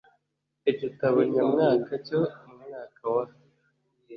Igitabo nyamwaka cyo mu mwaka wa